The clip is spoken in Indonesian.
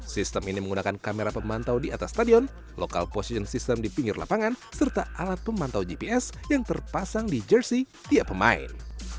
sistem ini menggunakan kamera pemantau di atas stadion local position system di pinggir lapangan serta alat pemantau gps yang terpasang di jersey tiap pemain